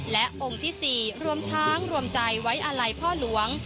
และองค์ที่๔รวมช้างรวมใจไว้อาลัยพ่อหลวง